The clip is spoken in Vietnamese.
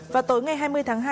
vào tối ngày hai mươi tháng hai